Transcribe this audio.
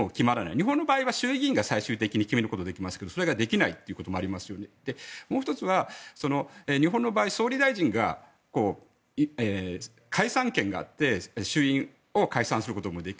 日本の場合は衆議院が最終的に決めることできますけどもそれができないこともありますのでもう１つは、日本の場合総理大臣に解散権があって衆議院を解散することもできる。